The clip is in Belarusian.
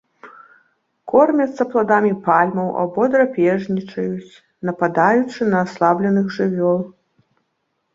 Кормяцца пладамі пальмаў або драпежнічаюць, нападаючы на аслабленых жывёл.